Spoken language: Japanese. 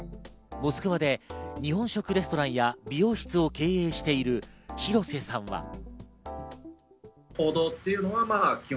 モスクワで日本食レストランや美容室を経営している廣瀬さんは。